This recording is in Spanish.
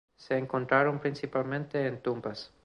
Se encontraron principalmente en tumbas.